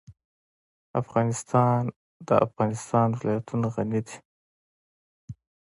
افغانستان په د افغانستان ولايتونه غني دی.